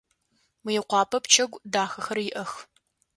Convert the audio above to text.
Мыекъуапэ пчэгу дахэхэр иӏэх.